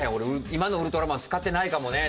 「今のウルトラマン使ってないかもね」